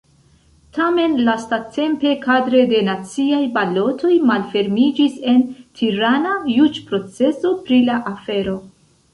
Tamen lastatempe, kadre de naciaj balotoj, malfermiĝis en Tirana juĝproceso pri la afero.